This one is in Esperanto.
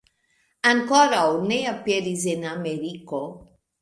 Ankoraŭ ne aperis en Ameriko.